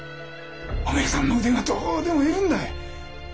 お前さんの腕がどうでもいるんだ。